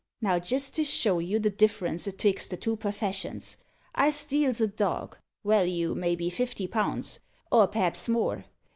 Now, jist to show you the difference atwixt the two perfessions: I steals a dog walue, maybe, fifty pound, or p'raps more.